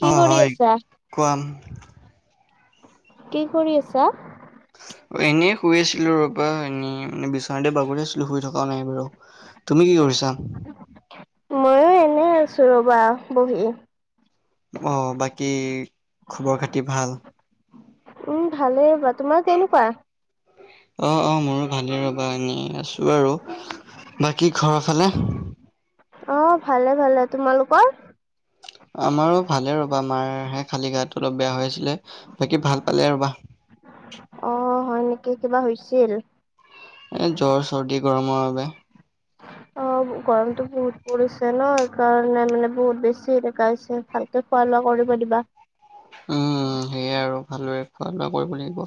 কি অ কৰি হয় আছা? কোৱা কি কৰি আছা? এনেই শুই আছিলো ৰ'বা এনেই মানে বিছ তে বাগুৰি আছিলো, শুই থকা নাই বাৰু তুমি কি কৰিছা? মইও এনেই আছোঁ ৰ'বা বহি। অ বাকী খবৰ খাতি ভাল। উম ভালেই বা, তোমাৰ কেনেকুৱা? অঁ অঁ মোৰো ভালেই ৰবা এনেই আছো আৰু। বাকী ঘৰৰ ফালে। অঁ ভালে ভালে, তোমালোকৰ? আমাৰো ভালে ৰবা মাৰহে খালী গাটো অলপ বেয়া হৈ আছিলে, বাকী ভাল পালে ৰ'বা। অ হয় নেকি, কিবা হৈছিল? এই জ্বৰ চৰ্দি গৰমৰ বাবে। অঁ গৰমটো বহুত পৰিছে ন, সেইকাৰণে মানে বহুত বেছি দেখাইছে ভালকে খোৱা লোৱা কৰিব দিবা। উম সেয়াই আৰু ভালোৰে। খোৱা লোৱা কৰিব লাগিব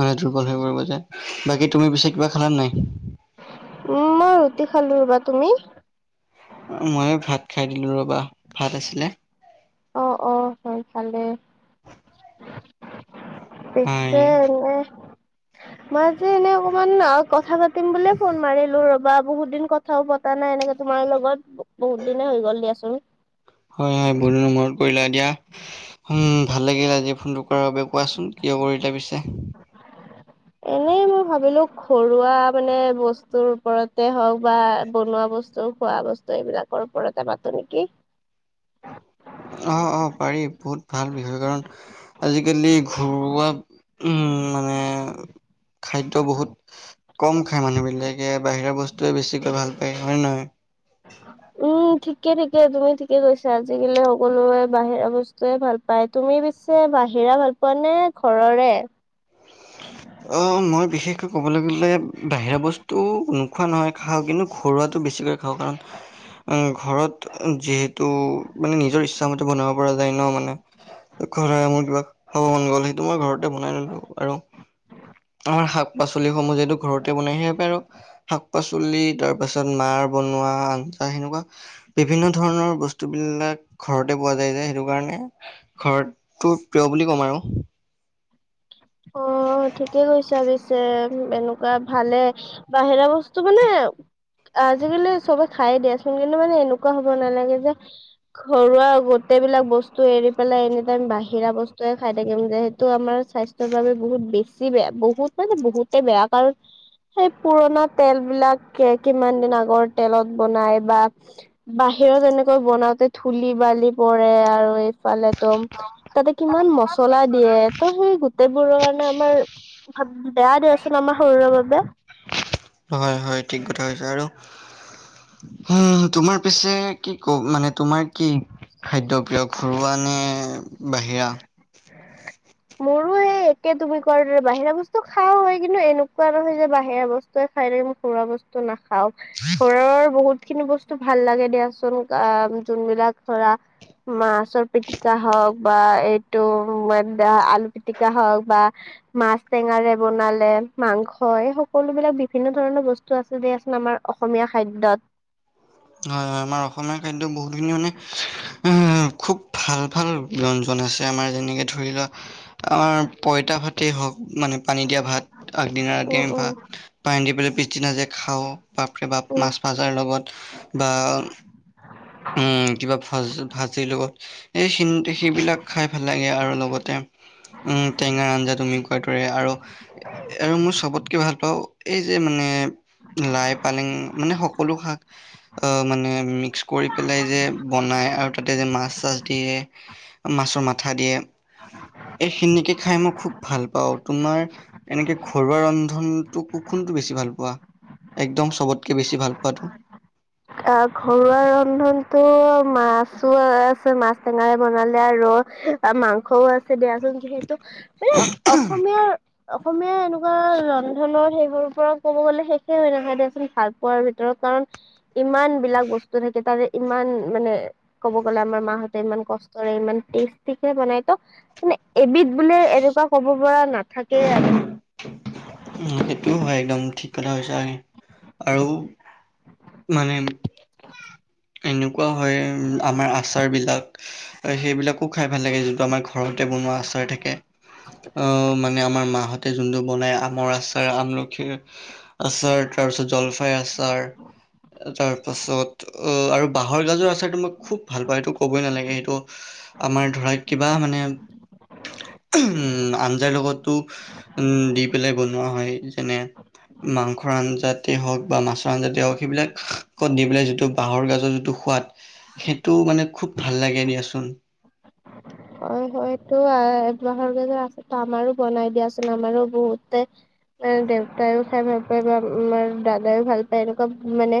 মানে দুৰ্বল হৈ পৰিব যে, বাকী তুমি পিছে কিবা খালা নে নাই? উম মই ৰুটি খালো ৰবা, তুমি? মই ভাত খাই দিলো ৰবা ভাত আছিলে। অ অ হয় ভালেই। হয়, পিছে এনেই মই যে এনে অকমান অঁ কথা পাতিম বুলি ফোন মাৰিলো ৰ'বা বহুত দিন কথাও পা তা নাই এনেকে তোমাৰ লগত বহুত দিনে হৈ গ'ল দিয়াচোন। হয় হয় বহুদিনৰ মূৰত কৰিলা দিয়া। উম ভাল লাগিল আজি ফোনটো কৰাৰ বাবে, কোৱাচোন কিয় কৰিলা পিছে? এনেই মই ভাবিলো ঘৰুৱা মানে বস্তুৰ ওপৰতে হওক বা, বনোৱা বস্তু টো খোৱা বস্তু এইবিলাকৰ ওপৰতে পাতো নেকি? আঁহ আঁহ পাৰি, বহুত ভাল বিষয় কাৰণ আজিকালি ঘৰুৱা উম মানে খাদ্য বহুত কম খাই মানুহ বিলাকে বাহিৰাৰ বস্তুয়ে বেছিকৈ ভাল পায় হয় নে নহয়? উম ঠিকে ঠিকে তুমি ঠিকে কৈছা, আজিকালি সকলোৱে বাহিৰা বস্তু টোৱে ভাল পায়। তুমি পিছে বাহিৰা ভাল পোৱা নে ঘৰৰে? অ মই বিশেষকৈ ক'বলৈ গ'লে বাহিৰা বস্ তো নোখোৱা নহয় খাওঁ কিন্তু ঘৰুৱাটো বেছিকৈ খাওঁ কাৰণ ঘৰত যিহেতু মানে নিজৰ ইচ্ছা মতে বনাব পৰা যায় ন মানে ঘৰত মোৰ কিবা খাব মন গ'ল সেইটো মই ঘৰতে বনাই ললো আৰু আমাৰ শাক পাচলিসমূহ যিহেতু ঘৰতে বনাইহি সেই বাবে আৰু শাক পাচলি তাৰ পাছত মাৰ বনোৱা আঞ্জা সেনেকুৱা বিভিন্ন ধৰণৰ বস্তু বিলাক ঘৰতে পোৱা যায় যে সেইটো কাৰণে ঘৰটো প্ৰিয় বুলি ক'ম আৰু অ ঠিকে কৈছা পিছে এনেকুৱা ভালে বাহিৰা বস্ বস্তু মানে আজিকালি চবে খাইয়ে দিয়াচোন কিন্তু মানে এনেকুৱা হব নালাগে যে ঘৰুৱা গোটেই বিলাক বস্তু এৰি পেলাই এনি টাইম বাহিৰা বস্তুৱে খাই থাকিম যে সেইটো আমাৰ স্বা স্বাস্থ্য ৰ বাবে বহুত বেছি বেয়া বহুত মানে বহুতে বেয়া কাৰণ সেই পুৰণা তেল বিলাক কিমান দিন আগৰ তেলত বনাই বা বাহিৰত এনেকৈ বনাওতে থুলি বালি পৰে আৰু এইফালে একদম তাতে কিমান মছলা দিয়ে ত সেই গোটেই বোৰৰ কাৰণে আমাৰ বেয়া দিয়াচোন আমাৰ শৰীৰৰ বাবে হয় হয় ঠিক কথা হৈছে আৰু হা তোমাৰ পিছে কি কম মানে তোমাৰ কি খাদ্য প্ৰিয় ঘৰুৱা নে বাহিৰা মোৰো সেই একেই তুমি কোৱাৰ দৰে বাহিৰা বস্তু খাও হয় কিন্তু এনেকুৱা নহয় যে বাহিৰা বস্ টোৱে খাই থাকিম ঘৰুৱা বস্তু নাখাওঁ ঘৰৰ বহুত খিনি বস্তু ভাল লাগে দিয়াচোন আহ যোনবিলাক ধৰা মাছৰ পিটিকা হওক বা এইটো আলু পিটিকা হওক বা মাছ টেঙাৰে বনালে, মাংস এই সকলো বিলাক বিভিন্ন ধৰণৰ বস্ তো আছে দে দিয়াচোন আমাৰ অসমীয়া খাদ্যত হয় আমাৰ অসমীয়া খাদ্য বহুতখিনি মানে খুব ভাল ভাল ব্যঞ্জন আছে আমাৰ যেনেকে ধৰি লোৱা আমাৰ পইতা ভাতেই হওক মানে পানী দিয়া ভাত আগদিনা ৰাতি উম আমি উম। ভাত পানী দি পেলাই পিছদিনা যে খাওঁ বাপৰে বাপ উম। মাছ ভাজাৰ লগত বা উম কিবা ভা ভাজিৰ লগত এইখিনি সেইবিলাক খাই ভাল লাগে আৰু লগতে উম টেঙাৰ আঞ্জা তুমি কোৱাৰ দৰে আৰু আৰু মই চবতকে ভাল পাওঁ এই যে মানে লাই পালেং মানে সকলো শাক অ মানে মিক্স কৰি পেলাই যে বনায় আৰু তাতে যে মাছ চাছ দিয়ে, মাছৰ মাথা দিয়ে এইখিনিকে খাই মই খুব ভাল পাওঁ তোমাৰ এনেকে ঘৰুৱা ৰন্ধনতটো কোনটো বেছি ভাল পোৱা, একদম চবতকে বেছি ভাল পোৱাটো অ ঘৰুৱা ৰন্ধনতো মাছো আছে মাছ টেঙাৰে বনালে আৰু মাংসও আছে দিয়াচোন যিহেতু মানে অসমীয়াৰ অসমীয়া এনেকুৱা ৰন্ধনৰ সেইবোৰৰ পৰা ক'ব গ'লে শেষে হয় নহয় দিয়াচোন ভাল পোৱাৰ ভিতৰত কাৰণ ইমান বিলাক বস্তু থাকে তাৰে ইমান মানে ক'ব গ'লে আমাৰ মাহঁতে ইমান কষ্টৰে ইমান টেষ্টিকে বনাই ত মানে এবিধ বোলে এনেকুৱা ক'ব পৰা নাথাকেই আৰু সেইটোও হয় একদম ঠিক কথা কৈছা আৰু মানে এনেকুৱাও হয়, আমাৰ আচাৰ বিলাক, সেইবিলাক ও খাই ভাল লাগে যিটো আমাৰ ঘৰতে বনোৱা আচাৰ থাকে। অ মানে আমাৰ মাহত তাতে যোনটো বনাই আমৰ আচ- ত আমলখিৰ আচাৰ, তাৰপিছত জলফাইৰ আচাৰ। তাৰ পাছত আৰু বাঁহৰ গাজৰ আচাৰটো মই খুব ভাল পাওঁ সেইটো ক'বই নালাগে সেইটো। আমাৰ ধৰা কিবা মানে উম আঞ্জাৰ লগত, টো দি পেলাই বনোৱা হয় যেনে- মাংসৰ আঞ্জাতে হওক, বা মাছৰ আঞ্জাতে হওক সেইবিলাকত দি পেলাই যিটো বাঁহৰ গাজৰ যিটো- সোৱাদ, সেইটো মানে খুব ভাল লাগে দিয়াচোন। হয় হয়তটো একমাহৰ আছে আমাৰো বনাই দিয়াচোন আমাৰো বহুতে, দেউতাইও খাই ভাল পায় বা আমাৰ দাদাইও ভাল পায় এনেকুৱা মানে,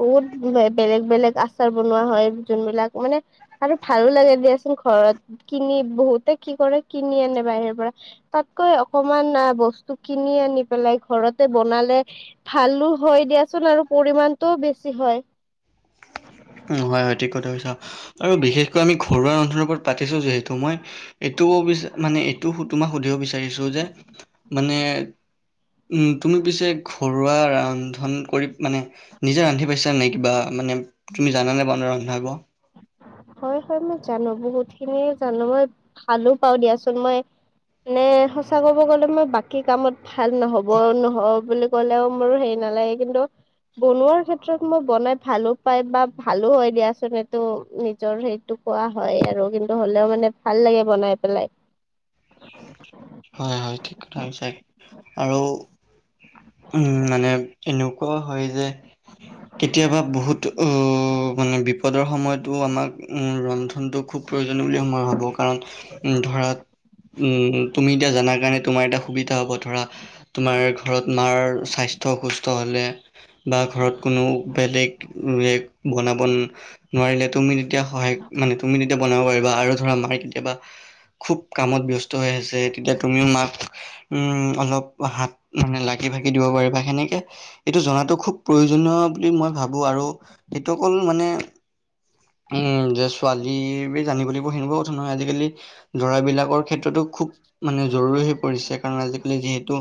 বহুত বেলেগ বেলেগ আচাৰ বনোৱা হয় যোনবিলাক মানে- আৰু ভালো লাগে দিয়াচোন ঘৰত কিনি বহুতে কি কৰে কিনি আনে বাহিৰ পৰা। তাতকৈ অকমান আ বস্তু কিনি আনি পেলাই ঘৰতে বনালে, ভালো হয় দিয়াচোন আৰু পৰিমণটোও বেছি হয়। হয় ঠিক কথা কৈছা। আৰু বিশেষকৈ আমি ঘৰুৱা ৰন্ধাৰ ওপৰত পাতিছোঁ যিহেতু মই, এইটো বিচ মানে এইটো তোমাক সুধিব বিচাৰিছো যে, মানে উম তুমি পিছে ঘৰুৱা ৰন্ধন কৰি মানে, নিজে ৰান্ধি পাইছা নাই কিবা মানে তুমি জানানে বনা ৰন্ধাব? হয় হয় মই জানো। বহুত খিনি জানো। মই ভালো পাওঁ দিয়াচোন মই। মানে সঁচা ক'ব গ'লে মই বাকী কামত ভাল নহব নহ বুলি কলেও মোৰ হেৰি নালাগে কিন্তু, বনোৱাৰ ক্ষেত্ৰত মই বনাই ভালো পাই বা ভালো হয় দিয়াচোনটো এইটো, নিজৰ সেইটো কোৱা হয়, আৰু কিন্তু হ'লেও মানে ভাল লাগে বনাই পেলাই। হয় হয় ঠিক কথা কৈছা। আৰু উম মানে এনেকুৱাও হয় যে, অ [unintelligible] কেতিয়াবা বহুত উম মানে বিপদৰ সময়তো আমাক উম ৰন্ধনতটো খুব, প্ৰয়োজনীয় বুলি মই ভাবোঁ। কাৰণ ধৰাত উম তুমি এতিয়া জান- নাজানে তোমাৰ এটা সুবিধা হ'ব ধৰা তোমাৰ ঘৰত মাৰ স্বাস্থ্য অসুস্থ হলে, বা ঘৰত কোনো বেলেগ বনাবন- নোৱাৰিলে তুমি তেতিয়া সহায় মানে তুমি তেতিয়া বনাব পাৰিবা। আৰু ধৰা মাৰ কেতিয়াবা খুব কামত ব্যস্ত হৈ আছে, তেতিয়া তুমিও মাক- উম অলপ হাত মানে লাগি ভাগি দিব পাৰিবা। সেনেকে, এইটো জনাতো খুব প্ৰয়োজনীয় বুলি মই ভাবো আৰু, সেইটো অকল মানে- উম যে ছোৱালীৰ ভি জানিব লাগিব হেনেকোৱা কথা নহয় আজিকালি, ল'ৰাবিলাকৰ ক্ষেত্ৰতো খুব মানে জৰুৰী হৈ পৰিছে কাৰণ আজিকালি যিহেতু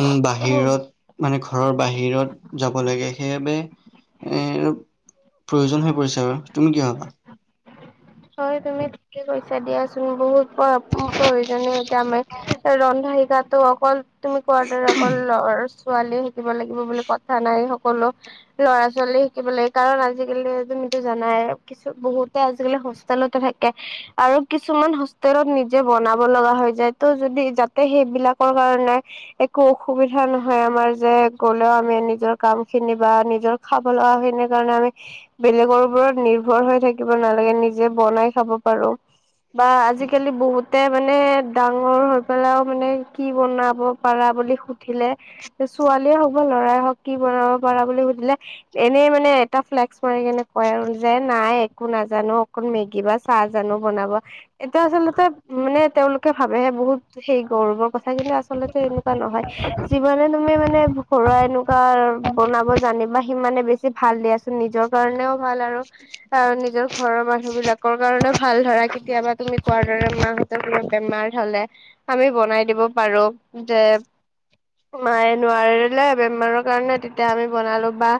উম বাহিৰত, মানে ঘৰৰ বাহিৰত যাব লাগে সেইবাবে এ আৰু, প্ৰয়োজন হৈ পৰিছে আৰু। তুমি কি ভাবা? হয় তুমি ঠিকে কৈছা দিয়াচোন বহুত। প্ৰয়োজনী এতিয়া আমাৰ। ৰন্ধা শিকাটো অকল, তুমি কোৱাৰ দৰে অকল লৰা ছোৱালী শিকিব লাগিব বুলি কথা নাই সকলো। ল'ৰা ছোৱালী শিকিব লাগে। কাৰণ আজিকালি তুমিতো জানাই কিছু বহুতে আজিকালি স- হোষ্টেলতে থাকে। আৰু কিছুমান হোষ্টেলত নিজে বনাব লগা হৈ যায় ত' যদি যাতে সেইবিলাকৰ কাৰণে একো অসুবিধা নহয় আমাৰ যে গ'লেও আমি নিজৰ কাম খিনি বা নিজৰ খাব লগা খিনি কাৰণে আমি বেলেগৰ ওপৰত নিৰ্ভৰ হৈ থাকিব নালাগে নি নিজে বনাই খাব পাৰো। বা আজিকালি বহুতে মানে ডাঙৰ হৈ পেলাইও মানে কি বনাব? পাৰা বুলি সুধিলে ছোৱালীয়ে হওক বা ল'ৰাই হওক কি বনাব পাৰা বুলি সুধিলে। এনেই মানে এটা ফ্লেক্স কৰি কেনে কয় আৰু যে নাই একো নাজানো। অকল মেগী বা চাহ জানো বনাব এইটো আচলতে মানে তেওঁলোকে ভাবেহে বহুত সেই গৌৰৱৰ কথা কিন্তু আচলতে এনেকুৱা নহয় যিমানে তুমি মানে ঘৰুৱাই এনো কাৰ বনাব জানিবা সিমানে বেছি ভাল দিয়াচোন নিজৰ কাৰণেও ভাল আৰু তাৰ নিজৰ ঘৰৰ মানুহ মানু বিলাকৰ কাৰণেও ভাল ধৰা কেতিয়াবা তুমি কোৱাৰ দৰে মাহঁতেৰ তোমাক বেমাৰ হ'লে। আমি বনাই দিব পাৰো যে মায়ে নোৱাৰিলে বেমাৰৰ কাৰণে তেতিয়া আমি বনালো বা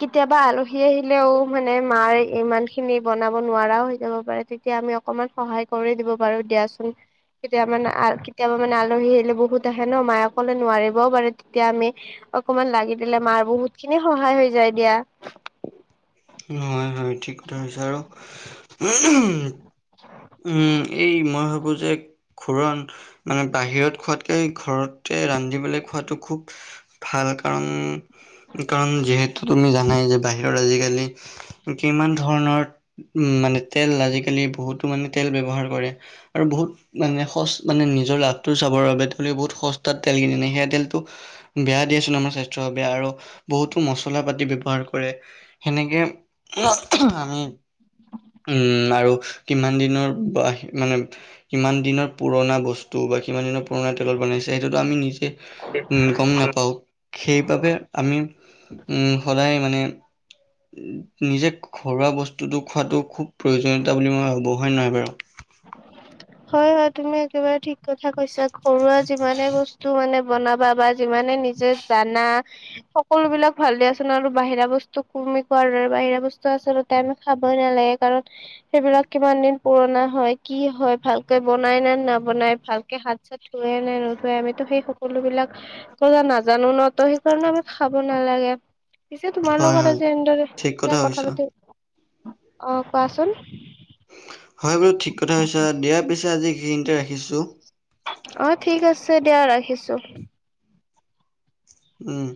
কেতিয়াবা আলহী আহিলেও মানে মাৰ ইমান খিনি বনাব নোৱাৰাও হৈ যাব পাৰে তেতিয়া আমি অকমান সহায় কৰি দিব পাৰো দিয়াচোন। কেতিয়াবা মানে কেতিয়াবা মানে আলহী আহিলে বহুত আহে ন মায়ে অকলে নোৱাৰিবও পাৰে তেতিয়া আমি অকমান লাগি দিলে মাৰ বহুত খিনি সহায় হৈ যায় দিয়া। হয় হয় ঠিক কথা হৈছে আৰু [unintelligible] [inaudible] উম, এই মই ভাবো যে খুৰণ মানে বাহিৰত খোৱাতকে ঘৰতে ৰান্ধিবলৈ খোৱাতটো খুব ভাল কাৰণ, কাৰণ যিহেতু তুমি জানাই যে বাহিৰত আজিকালি কিমান ধৰণৰ উম মানে তেল আজিকালি বহুতো মানে তেল ব্যৱহাৰ কৰে। আৰু বহুত মানে সচ মানে নিজৰ লাভটো চাবৰ বাবে তেওঁলোকে বহুত সস্তাত তেল কিনি সেয়া তেলটো বেয়া দিয়াচোন আমাৰ স্বাস্থ্যৰ বেয়া আৰু বহুতো মচলা পাতি ব্যৱহাৰ কৰে। সেনেকে উম, আমি উম আৰু কিমান দিনৰ বা মানে কিমান দিনৰ পুৰণা বস্তু বা কিমান দিনৰ পুৰণা তেলত বনাইছে সেইটো আমি নিজে, উম গম নাপাওঁ। সেইবাবে আমি উম সদায় মানে নিজে ঘৰুৱা বস্তুটো খোৱাতটো খুব প্ৰয়োজনীয়তা বুলি মই ভাবোঁ হয় নহয় বাৰু? হয় হয় তুমি একেবাৰে ঠিক কথা কৈছা ঘৰুৱা যিমানে বস্তু টো মানে বনাবা বা যিমানে নিজে জানা সকলো বিলাক ভাল দিয়াচোন আৰু বাহিৰা বস্তু তুমি কোৱাৰ দৰে বাহিৰা বস্তু আচলতে টাইম খাবই নালাগে কাৰণ সেইবিলাক কিমান দিন পুৰণা হয় কি হয়। ভালকে বনাই নে নবনাই ভালকে হাত চাত থোৱে নে নোধোৱে আমিতো সেই সকলোবিলাক [unintelligible] ' নাজানো ন ত' সেইকাৰণে আমি খাব নালাগে। পিছে তোমাৰ হয় লগত হয় আজি ঠিক এনেদৰে কথা কৈছা পাতি, অৱ কোৱাচোন। হয় বোলো ঠিক কথাই কৈছা দিয়াৰ পিছে আজি সেইখিনিতে ৰাখিছোঁ। অ ঠিক আছে দিয়া ৰাখিছো। উম।